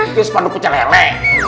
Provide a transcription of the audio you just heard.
itu sepanuh pecah lele